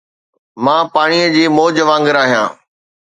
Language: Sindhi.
مان پاڻيءَ جي موج وانگر آهيان